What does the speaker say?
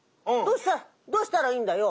どうしたらいいんだよ？